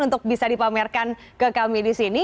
untuk bisa dipamerkan ke kami di sini